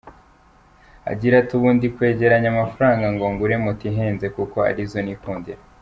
Agira ati "Ubu ndi kwegeranya amafaranga ngo ngure moto ihenze kuko ari zo nikundira.